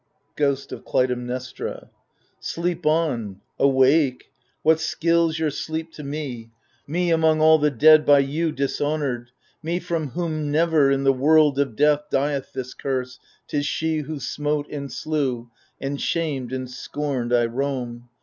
Ghost of Clytemnestra Sleep on ! awake 1 what skills your sleep to me — Me, among all the dead by you dishonoured — Me from whom never, in the world of death, Dieth this curse, ^Tis she who smote and slew^ And shamed and scorned I roam